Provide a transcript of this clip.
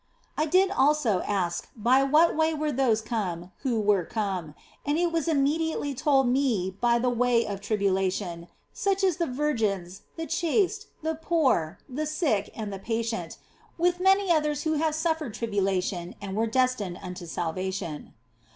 I did also ask by what way were those come who were come, and it was immediately told me by the way of tribulation, such as the virgins, the chaste, the poor, the Q 242 THE BLESSED ANGELA sick, and the patient, with many others who had suffered tribulation and were destined unto salvation.